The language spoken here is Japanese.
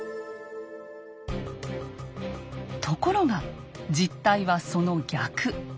ところが実態はその逆。